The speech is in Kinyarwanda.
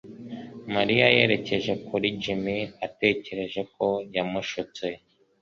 Mariya yerekeje kuri Jim atekereza ko yamushutse